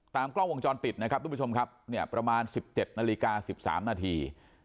ตามกล้องวงจรปิดประมาณ๑๗นาฬิกา๑๓นาที